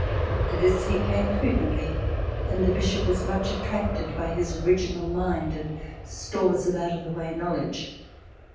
_After this he came frequently and the Bishop was much attracted by his original mind and stores of out of the way knowledge_."